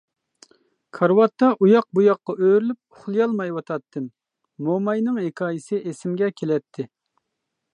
كارىۋاتتا ئۇياق-بۇياققا ئۆرۈلۈپ ئۇخلىيالمايۋاتاتتىم، موماينىڭ ھېكايىسى ئېسىمگە كېلەتتى.